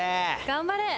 頑張れ。